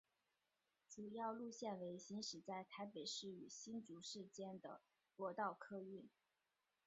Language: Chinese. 主要路线为行驶在台北市与新竹市间的国道客运。